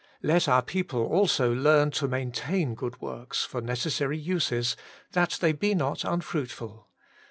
Let our peo ple also learn to maintain good zvorks for neces sary uses, that they be not unfruitful.'